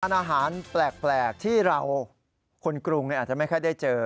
อาหารแปลกที่เราคนกรุงอาจจะไม่ค่อยได้เจอ